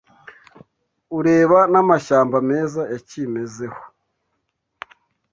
ureba n’amashyamba meza yakimezeho